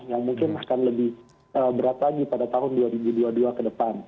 yang mungkin akan lebih berat lagi pada tahun dua ribu dua puluh dua ke depan